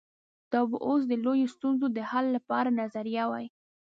دا به اوس د لویو ستونزو د حل لپاره نظریه وای.